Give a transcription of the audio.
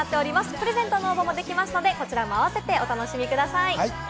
プレゼントの応募もできますので、こちらもあわせてお楽しみください。